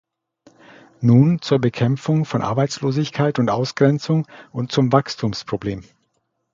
Nun zur Bekämpfung von Arbeitslosigkeit und Ausgrenzung und zum Wachstumsproblem.